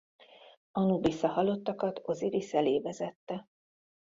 Anubisz a halottakat Ozirisz elé vezette.